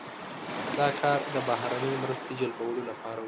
دا کار د بهرنۍ مرستې جلبولو لپاره و.